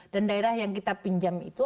dan daerah yang kita pinjam itu